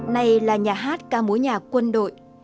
này là nhà hát ca múa nhà quân đội